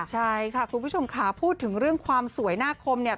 ใช่ค่ะคุณผู้ชมค่ะพูดถึงเรื่องความสวยหน้าคมเนี่ย